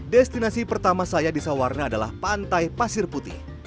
destinasi pertama saya di sawarna adalah pantai pasir putih